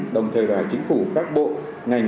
đồng thời đoại chính phủ các bộ ngành